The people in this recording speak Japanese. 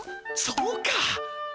そうか！